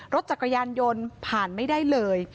รถจักรยานยนต์ผ่านไม่ได้เลย